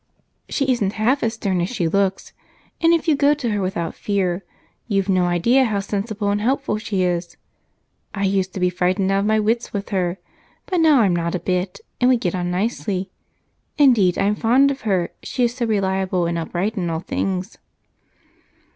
"She isn't half as stern as she looks, and if you go to her without fear, you've no idea how sensible and helpful she is. I used to be frightened out of my wits with her, but now I'm not a bit, and we get on nicely. Indeed, I'm fond of her, she is so reliable and upright in all things."